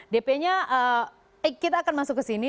dp nya kita akan masuk ke sini